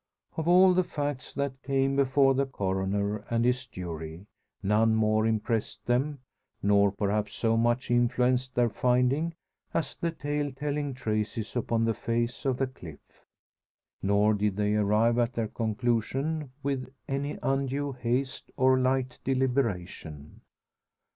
Of all the facts that came before the coroner and his jury, none more impressed them, nor perhaps so much influenced their finding, as the tale telling traces upon the face of the cliff. Nor did they arrive at their conclusion with any undue haste or light deliberation.